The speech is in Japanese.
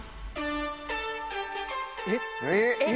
えっ？